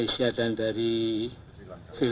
tapi kita harus tarik memori